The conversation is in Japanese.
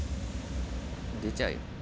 出ちゃうよ。